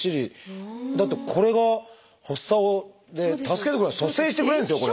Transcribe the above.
だってこれが発作を助けてくれる蘇生してくれるんですよこれ。